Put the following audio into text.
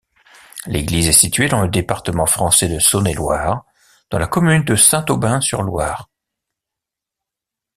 L'église est située dans le département français de Saône-et-Loire, dans la commune de Saint-Aubin-sur-Loire.